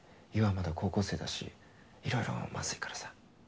まだ高校生だしいろいろまずいからさ。